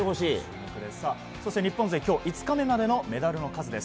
そして、日本勢５日目までのメダルの数です。